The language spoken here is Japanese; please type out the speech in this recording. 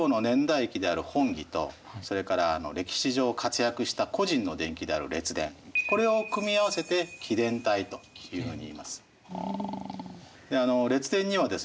それから歴史上活躍した個人の伝記である「列伝」これを組み合わせて「紀伝体」というふうにいいます。